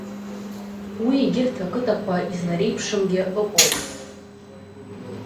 Уи егьырҭ ақыҭақәа излареиԥшымгьы ыҟоуп.